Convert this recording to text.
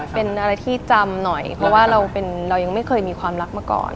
เป็นอะไรที่จำหน่อยเพราะว่าเรายังไม่เคยมีความรักมาก่อน